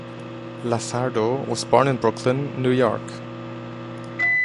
LaSardo was born in Brooklyn, New York.